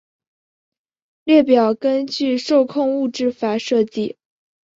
列表根据受控物质法设计。